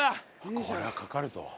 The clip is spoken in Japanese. これはかかるぞ。